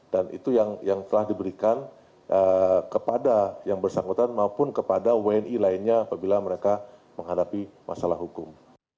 dan itu yang telah diberikan kepada yang bersangkutan maupun kepada wni lainnya apabila mereka menghadapi masalah hukum